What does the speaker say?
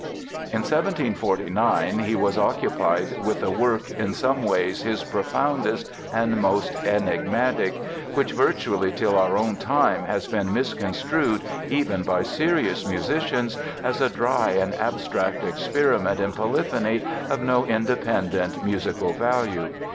In 1749 he was occupied with a work in some ways his profoundest and most enigmatic, which virtually till our own time has been misconstrued even by serious musicians as a dry and abstract experiment in polyphony of no independent musical value.